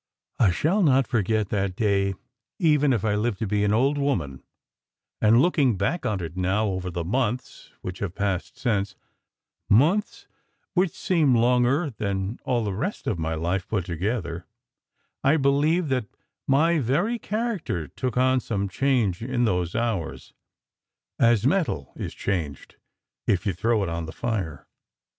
I shall not forget that day even if I live to be an old woman; and looking back on it now over the months which have passed since months which seem longer than all the rest of my life put together I believe that my very character took on some change in 128 SECRET HISTORY those hours, as metal is changed if you throw it on to the fire.